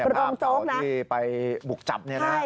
ภาพของเขาที่ไปบุกจับ